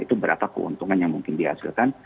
itu berapa keuntungan yang mungkin dihasilkan